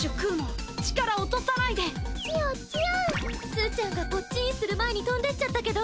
すうちゃんがポッチーンする前に飛んでっちゃったけど。